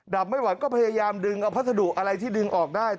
ไม่ไหวก็พยายามดึงเอาพัสดุอะไรที่ดึงออกได้